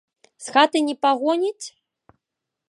З хаты не пагоніць?